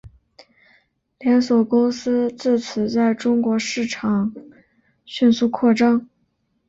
连锁公司自此在中国市场迅速扩张。